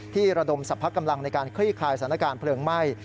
ระดมสรรพกำลังในการคลี่คลายสถานการณ์เพลิงไหม้